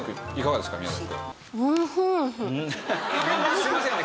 すいませんね